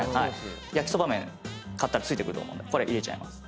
焼きそば麺買ったら付いてくると思うんで入れます。